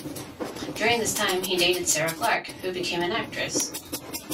During this time, he dated Sarah Clarke, who became an actress.